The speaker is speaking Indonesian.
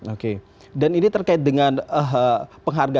oke dan ini terkait dengan penghargaan